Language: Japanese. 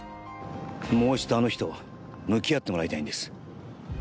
もう一度、あの日と向き合ってもらいたいんです。